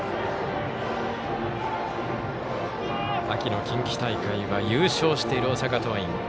秋の近畿大会は優勝している大阪桐蔭。